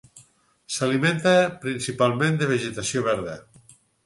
S'alimenta principalment de vegetació verda.